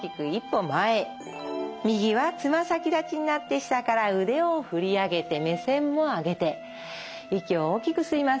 右はつま先立ちになって下から腕を振り上げて目線も上げて息を大きく吸います。